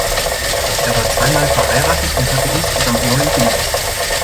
Er war zweimal verheiratet und hatte insgesamt neun Kinder.